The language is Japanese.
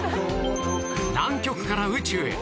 南極から宇宙へ